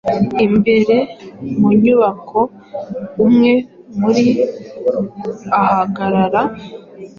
Imbere mu nyubako umwe muri ahagarara